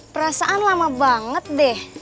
perasaan lama banget deh